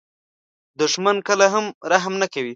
دښمن کله هم رحم نه کوي